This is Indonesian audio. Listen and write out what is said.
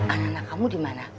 anak anak kamu dimana